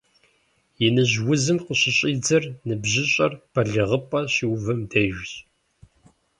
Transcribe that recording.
Иныжь узым къыщыщӀидзэр ныбжьыщӀэр балигъыпӀэ щиувэм дежщ.